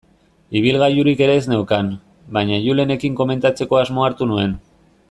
Ibilgailurik ere ez neukan, baina Julenekin komentatzeko asmoa hartu nuen.